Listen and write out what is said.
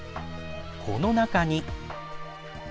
この中に。